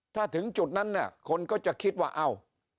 ถ้าถึงจุดนั้นคนก็จะคิดว่าเอา